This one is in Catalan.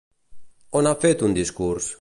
On ha fet un discurs?